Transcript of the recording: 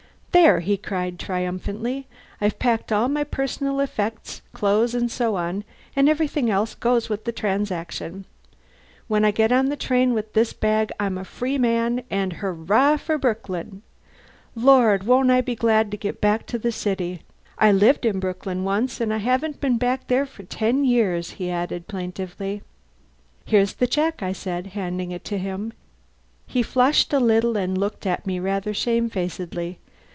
"There!" he cried triumphantly. "I've packed all my personal effects clothes and so on and everything else goes with the transaction. When I get on the train with this bag I'm a free man, and hurrah for Brooklyn! Lord, won't I be glad to get back to the city! I lived in Brooklyn once, and I haven't been back there for ten years," he added plaintively. "Here's the check," I said, handing it to him. He flushed a little, and looked at me rather shamefacedly.